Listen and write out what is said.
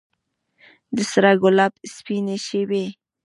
د سره ګلاب سپینې شبۍ